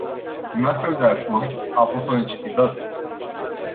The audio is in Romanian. Un astfel de acord a fost o necesitate.